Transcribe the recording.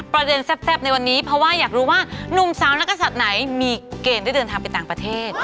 แซ่บในวันนี้เพราะว่าอยากรู้ว่านุ่มสาวนักศัตริย์ไหนมีเกณฑ์ได้เดินทางไปต่างประเทศ